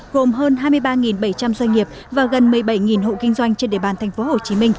gồm hơn hai mươi ba bảy trăm linh doanh nghiệp và gần một mươi bảy hộ kinh doanh trên địa bàn tp hcm